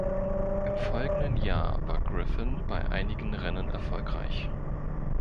Im folgenden Jahr war Griffin bei einigen Rennen erfolgreich.